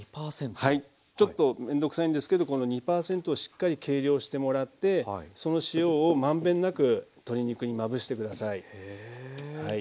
ちょっと面倒くさいんですけどこの２％をしっかり計量してもらってその塩を満遍なく鶏肉にまぶして下さい。